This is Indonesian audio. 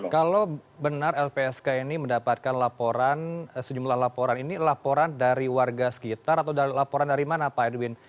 kalau benar lpsk ini mendapatkan laporan sejumlah laporan ini laporan dari warga sekitar atau laporan dari mana pak edwin